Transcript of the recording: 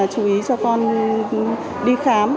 chú ý cho con đi khám